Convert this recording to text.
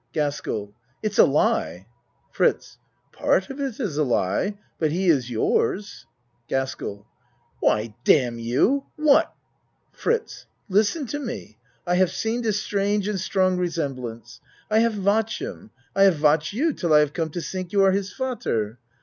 GASKELL It's a lie! FRITZ Part of it is a lie but he is yours. GASKELL Why damn you what FRITZ Listen to me. I haf seen dis strange and strong resemblance. I haf watch him I haf watch you till I haf come to tink you are his fadder.